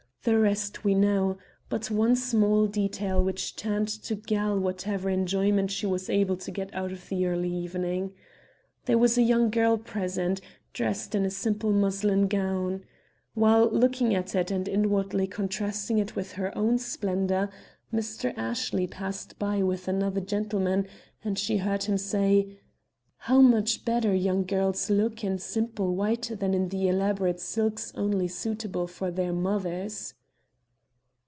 The rest we know, all but one small detail which turned to gall whatever enjoyment she was able to get out of the early evening. There was a young girl present, dressed in a simple muslin gown. While looking at it and inwardly contrasting it with her own splendor, Mr. Ashley passed by with another gentleman and she heard him say: "How much better young girls look in simple white than in the elaborate silks only suitable for their mothers!"